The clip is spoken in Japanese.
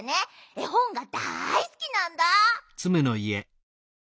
えほんがだいすきなんだ。